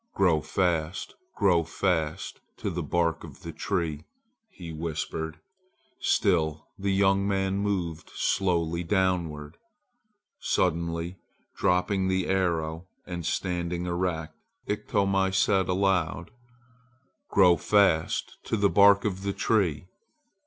"Grow fast, grow fast to the bark of the tree," he whispered. Still the young man moved slowly downward. Suddenly dropping the arrow and standing erect, Iktomi said aloud: "Grow fast to the bark of the tree!"